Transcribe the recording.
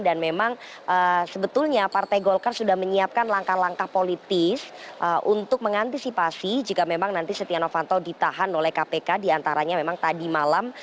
dan memang sebetulnya partai golkar sudah menyiapkan langkah langkah politis untuk mengantisipasi jika memang nanti setia novanto ditahan oleh kpk diantaranya memang tadi malam